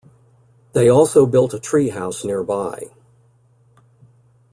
They also built a treehouse nearby.